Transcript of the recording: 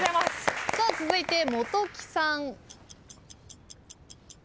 続いて元木さん。